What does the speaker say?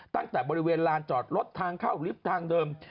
ตั้งแต่บริเวณลานจอดรถทางเข้าลิฟต์ทางเดิม